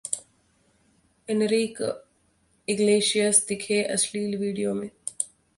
Anrich Iglesias दिखे अश्लील video में